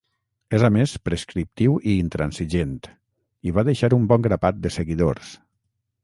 És a més prescriptiu i intransigent, i va deixar un bon grapat de seguidors.